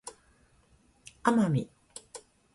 奄美